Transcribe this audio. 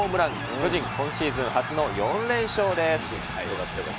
巨人、今シーズン初の４連勝です。